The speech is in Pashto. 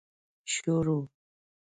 شور و.